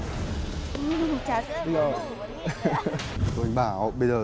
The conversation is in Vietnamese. trà sữa không có vấn đề gì